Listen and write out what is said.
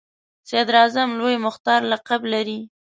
صدراعظم لوی مختار لقب لري.